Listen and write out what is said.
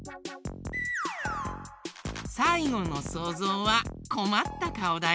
さいごのそうぞうはこまったかおだよ。